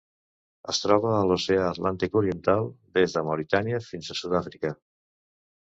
Es troba a l'Oceà Atlàntic oriental: des de Mauritània fins a Sud-àfrica.